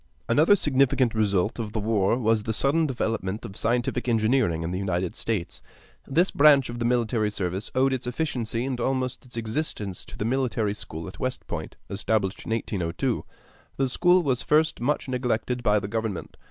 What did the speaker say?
Another significant result of the war was the sudden development of scientific engineering in the United States. This branch of the military service owed its efficiency and almost its existence to the military school at West Point, established in 1802. The school was at first much neglected by government.